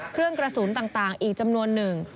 เครื่องกระสุนต่างอีกจำนวนหนึ่ง